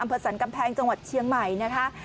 อัมพศรรค์กำแพงจังหวัดเชียงใหม่นะครับ